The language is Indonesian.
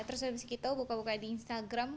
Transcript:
terus abis itu buka buka di instagram